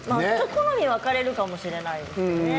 好みが分かれるかもしれないですね。